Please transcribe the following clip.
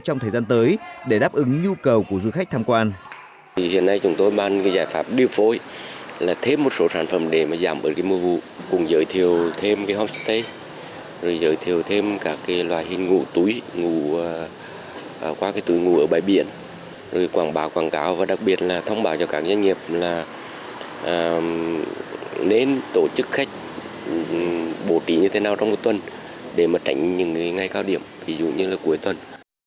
trong thời gian tới để đáp ứng nhu cầu của du khách tham quan